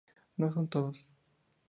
No son todos.